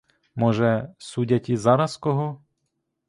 Може, судять і зараз кого?